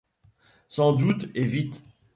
Sans doute, et vite !…